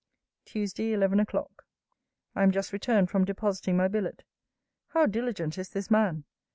TUESDAY, ELEVEN O'CLOCK. I am just returned from depositing my billet. How diligent is this man!